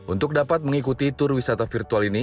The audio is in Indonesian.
untuk dapat mengikuti tur wisata virtual ini